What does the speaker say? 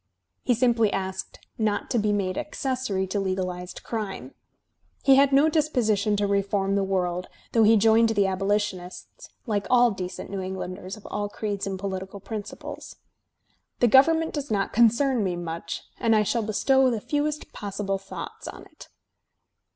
He simply asked not to be made accessory to legalized crime. He had no disposition to reform the world, though he joined the abolitionists, like all decent New Englanders of all creeds and political principles. "The government does not concern me much, and I shall bestow the fewest possible thoughts on it."